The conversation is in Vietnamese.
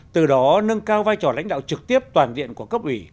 từ đó nâng cao vai trò lãnh đạo trực tiếp toàn diện của cấp ủy